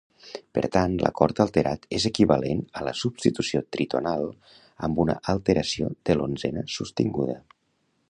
Per tant, l'acord alterat és equivalent a la substitució tritonal amb una alteració de l'onzena sostinguda.